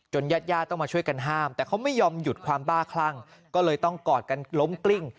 ญาติญาติต้องมาช่วยกันห้ามแต่เขาไม่ยอมหยุดความบ้าคลั่งก็เลยต้องกอดกันล้มกลิ้ง